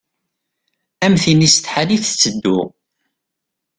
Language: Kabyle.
Am tin isetḥan i tetteddu.